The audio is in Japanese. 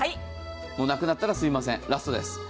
もうなくなったらすいません、ラストです。